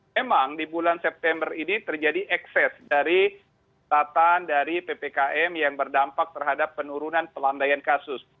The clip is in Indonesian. memang di bulan september ini terjadi ekses dari tataan dari ppkm yang berdampak terhadap penurunan pelandaian kasus